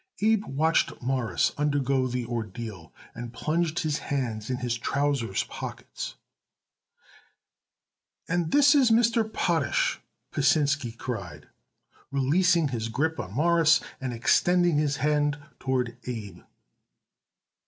Abe watched Morris undergo the ordeal and plunged his hands in his trousers' pockets. "And this is Mr. Potash," Pasinsky cried, releasing his grip on Morris and extending his hand toward Abe.